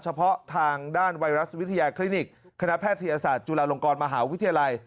เฉพาะทางด้านไวรัสวิทยาคลินิกคณะแพทยศาสตร์จุฬาลงกรมหาวิทยาลัย